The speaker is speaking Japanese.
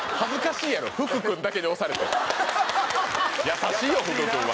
優しいよ福君は